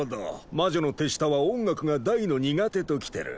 魔女の手下は音楽が大の苦手ときてる。